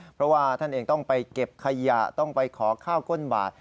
เพราะว่าท่านเองต้องไปเก็บขยะต้องไปขอข้าวก้นบาท